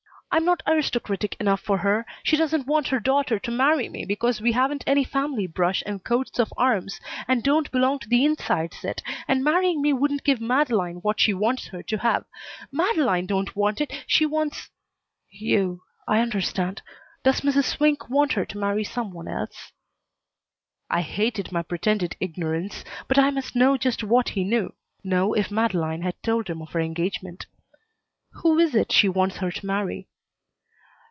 I'm not aristocratic enough for her. She doesn't want her daughter to marry me because we haven't any family brush and coats of arms, and don't belong to the inside set, and marrying me wouldn't give Madeleine what she wants her to have. Madeleine don't want it. She wants " "You. I understand. Does Mrs. Swink want her to marry some one else?" I hated my pretended ignorance, but I must know just what he knew. Know if Madeleine had told him of her engagement. "Who is it she wants her to marry?"